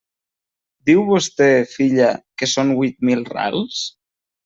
Diu vostè, filla, que són huit mil rals?